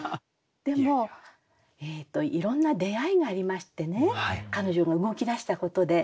でもいろんな出会いがありましてね彼女が動きだしたことで。